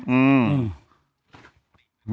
อืม